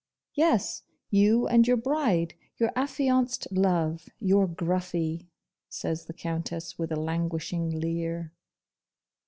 'Yes, you and your bride your affianced love your Gruffy!' says the Countess, with a languishing leer.